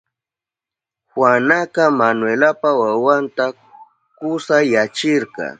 Juanaka Manuelpa wawanta kusayachirka.